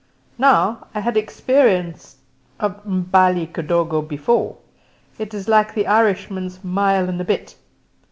Now, I had had experience of M'bali kidogo before; it is like the Irishman's "mile and a bit."